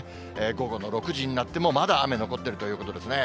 午後の６時になっても、まだ雨残ってるということですね。